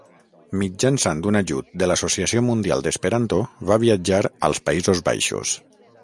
Mitjançant un ajut de l'Associació Mundial d'Esperanto va viatjar als Països Baixos.